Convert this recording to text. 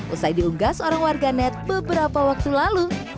usai diunggas orang warga net beberapa waktu lalu